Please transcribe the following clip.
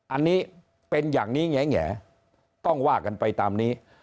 อันนี้เป็นอย่างนี้แง่ต้องว่ากันไปตามนี้